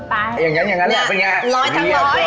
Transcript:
อย่างนั้นแหละเป็นอย่างไร